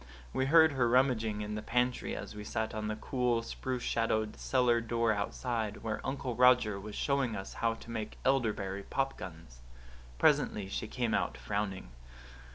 We heard her rummaging in the pantry as we sat on the cool, spruce shadowed cellar door outside, where Uncle Roger was showing us how to make elderberry pop guns. Presently she came out, frowning.